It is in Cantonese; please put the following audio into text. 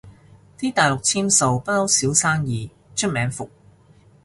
啲大陸簽售不嬲少生意，出名伏